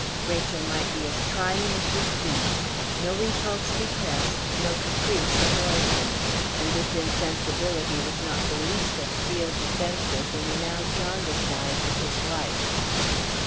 Rachel might be as trying as she pleased; no repulse depressed, no caprice annoyed him; and this insensibility was not the least of Steel's offences in the now jaundiced eyes of his wife.